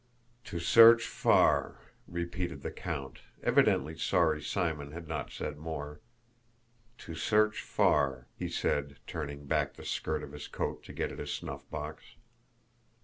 "To search far..." repeated the count, evidently sorry Simon had not said more. "To search far," he said, turning back the skirt of his coat to get at his snuffbox.